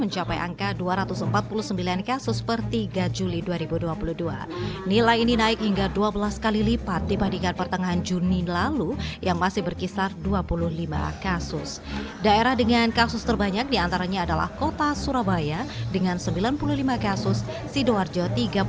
jodoh julian toro